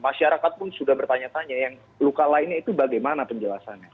masyarakat pun sudah bertanya tanya yang luka lainnya itu bagaimana penjelasannya